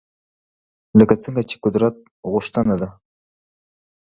لکه څنګه چې قدرت غوښتنه ده